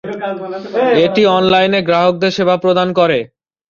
এটি অনলাইনে গ্রাহকদের সেবা প্রদান করে।